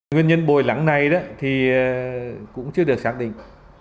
nguyên nhân bồi lắng này thì cũng chưa được sáng